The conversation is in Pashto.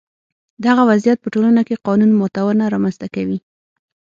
دغه وضعیت په ټولنه کې قانون ماتونه رامنځته کوي.